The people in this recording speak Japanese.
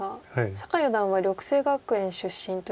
酒井四段は緑星学園出身ということで。